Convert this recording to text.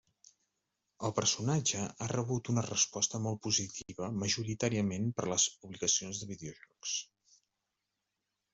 El personatge ha rebut una resposta molt positiva majoritàriament per les publicacions de videojocs.